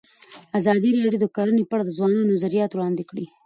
ازادي راډیو د کرهنه په اړه د ځوانانو نظریات وړاندې کړي.